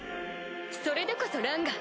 それでこそランガ！